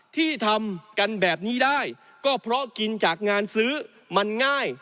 ที่ทำกันแบบนี้ได้ก็เพราะกินจากงานซื้อมันง่าย